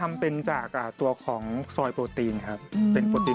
ไม่ต้องเกรงใจหรอกค่ะ